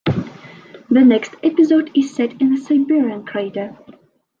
The next episode is set in a Siberian crater.